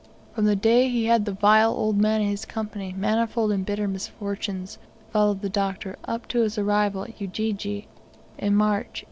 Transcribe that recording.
From the day he had the vile old man in his company manifold and bitter misfortunes followed the Doctor up to his arrival at Ujiji in March, 1869.